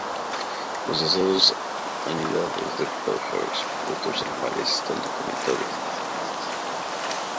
Los asados anidados de pájaros u otros animales están documentados desde hace siglos.